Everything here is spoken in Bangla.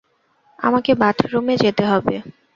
আমাকে বাথরুমে যেতে হবে।